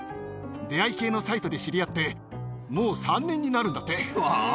出会い系のサイトで知り合って、もう３年になるんだって。